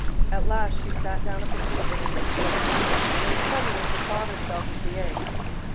At last she sat down at the foot of it in despair, and then suddenly bethought herself of the eggs.